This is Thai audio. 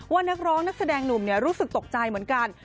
นักร้องนักแสดงหนุ่มรู้สึกตกใจเหมือนกัน